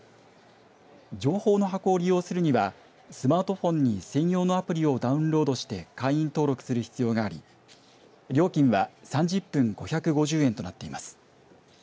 情報の箱を利用するにはスマートフォンに専用のアプリをダウンロードして会員登録する必要があり料金は３０分５５０円となっています。